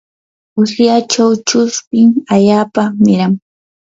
usyachaw chuspin allaapa miran.